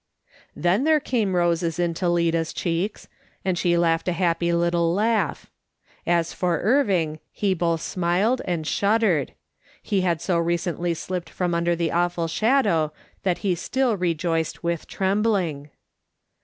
Then there came roses into Lida's cheeks, and she laughed a happy little laugh. As for Irving, he both smiled and shuddered; he had so recently slipped from under the awful shadow that he still rejoiced with trembling.